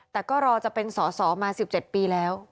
แต่ก็รอจะเป็นสอสอมา๑๗ปีแล้ว